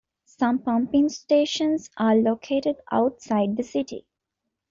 Some pumping stations are located outside the city.